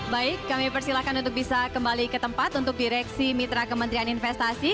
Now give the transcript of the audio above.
baik kami persilahkan untuk bisa kembali ke tempat untuk direksi mitra kementerian investasi